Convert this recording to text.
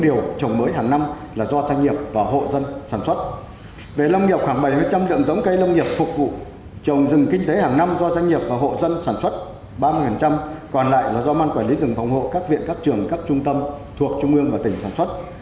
về lâm nghiệp khoảng bảy mươi lượng giống cây lâm nghiệp phục vụ trồng rừng kinh tế hàng năm do doanh nghiệp và hộ dân sản xuất ba mươi còn lại là do ban quản lý rừng phòng hộ các viện các trường các trung tâm thuộc trung ương và tỉnh sản xuất